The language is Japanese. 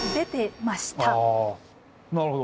なるほど。